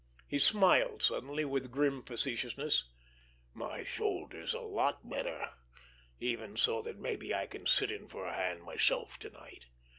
He smiled suddenly with grim facetiousness. "My shoulder's a lot better—enough so that maybe I can sit in for a hand myself to night."